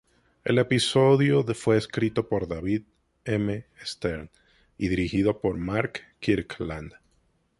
El episodio fue escrito por David M. Stern y dirigido por Mark Kirkland.